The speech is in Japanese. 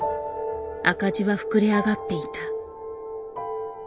赤字は膨れ上がっていた。